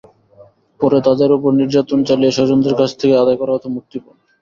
পরে তাঁদের ওপর নির্যাতন চালিয়ে স্বজনদের কাছ থেকে আদায় করা হতো মুক্তিপণ।